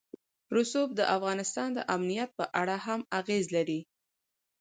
رسوب د افغانستان د امنیت په اړه هم اغېز لري.